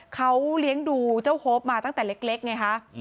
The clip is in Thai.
เขาเลี้ยงดูเจ้าโฮปมาตั้งแต่เล็กไงคะ